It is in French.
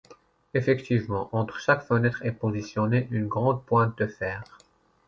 Effectivement, entre chaque fenêtre est positionnée une grande pointe de fer.